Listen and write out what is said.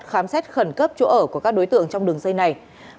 khám xét khẩn cấp chỗ ở của các đối tượng trong đường dây này